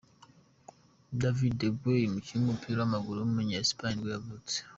David de Gea, umukinnyi w’umupira w’amaguru w’umunya Espagne nibwo yavutse.